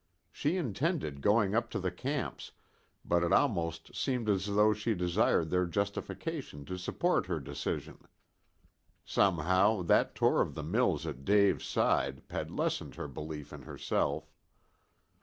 She intended going up to the camps, but it almost seemed as though she desired their justification to support her decision. Somehow that tour of the mills at Dave's side had lessened her belief in herself.